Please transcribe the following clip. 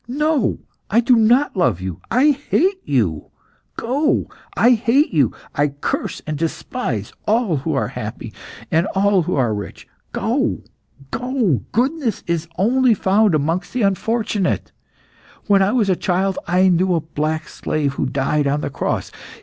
No! I do not love you! I hate you! Go! I hate you! I curse and despise all who are happy, and all who are rich! Go! Go! Goodness is only found amongst the unfortunate. When I was a child I knew a black slave who died on the cross.